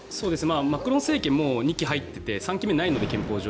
マクロン政権も２期入っていて３期目ないので、憲法上。